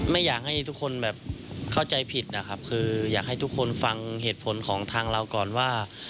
ไม่อยากให้ทุกคนแบบเข้าใจผิดนะครับคืออยากให้ทุกคนฟังเหตุผลของทางเราก่อนว่า